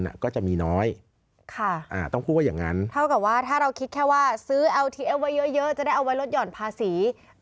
อาจจะหนักกว่าต้องจ่ายภาษี